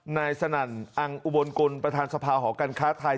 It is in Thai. สนั่นอังอุบลกุลประธานสภาหอการค้าไทย